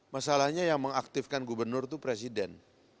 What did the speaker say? masalahnya yang mengaktifkan gubernur itu presiden